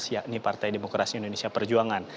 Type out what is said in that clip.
yakni partai demokrasi indonesia perjuangan